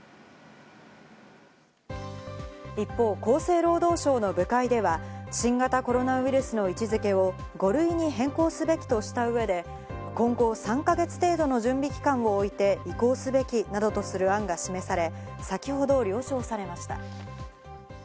一方、厚生労働省の部会では、新型コロナウイルスの位置付けを５類に変更すべきとした上で、今後、３か月程度の準備期間を置いて、移行すべきなどとする案が示され、先ほど了承されました。